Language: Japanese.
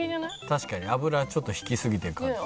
確かに油ちょっと引きすぎてる感じ。